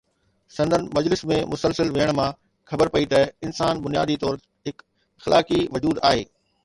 سندن مجلس ۾ مسلسل ويهڻ مان خبر پئي ته انسان بنيادي طور هڪ اخلاقي وجود آهي.